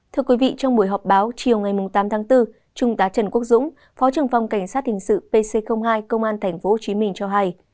thưa quý vị trong buổi họp báo chiều ngày tám tháng bốn trung tá trần quốc dũng phó trưởng phòng cảnh sát hình sự pc hai công an tp hcm cho hay